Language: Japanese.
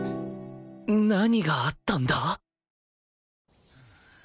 何があったんだ？